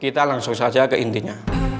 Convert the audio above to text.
kita langsung saja ke intinya